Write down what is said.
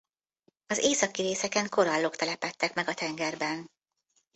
Az északi részeken korallok telepedtek meg a tengerben.